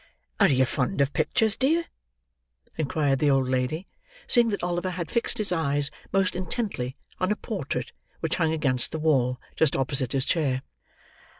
"Are you fond of pictures, dear?" inquired the old lady, seeing that Oliver had fixed his eyes, most intently, on a portrait which hung against the wall; just opposite his chair.